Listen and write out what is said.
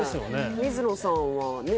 水野さんはね